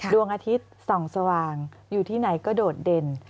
ดวงอาทิตย์ส่องสว่างอยู่ที่ไหนก็โดดเด่น